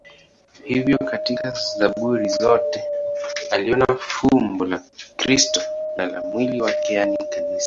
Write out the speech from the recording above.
Hivyo katika Zaburi zote aliona fumbo la Kristo na la mwili wake, yaani Kanisa.